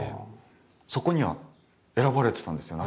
そこには選ばれてたんですよ